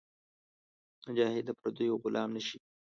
مجاهد د پردیو غلام نهشي.